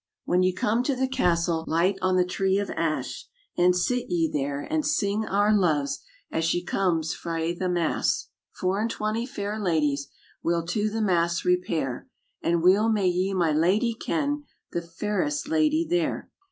'When ye come to the castle, Light on the tree of ash, And sit ye there, and sing our loves As she comes frae the mass. "Four and twenty fair ladies Will to the mass repair; And weel may ye my lady ken, The fairest lady there."